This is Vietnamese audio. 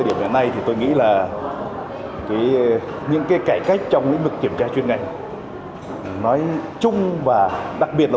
điểm này thì tôi nghĩ là những cái cải cách trong mức kiểm tra chuyên ngành nói chung và đặc biệt là